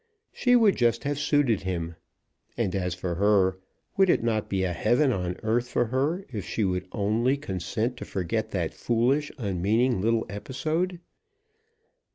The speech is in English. She would just have suited him. And as for her, would it not be a heaven on earth for her if she would only consent to forget that foolish, unmeaning little episode.